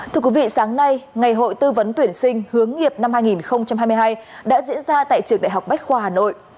thưa quý vị sáng nay ngày hội tư vấn tuyển sinh hướng nghiệp năm hai nghìn hai mươi hai đã diễn ra tại trường đại học bách khoa hà nội